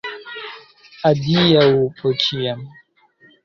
Adiaŭ por ĉiam.